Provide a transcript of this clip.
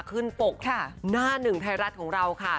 ขึ้นปกแรกหน้าหนึ่งไทรลัทของเราค่ะ